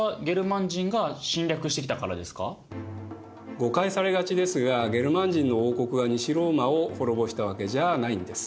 誤解されがちですがゲルマン人の王国が西ローマを滅ぼしたわけじゃないんです。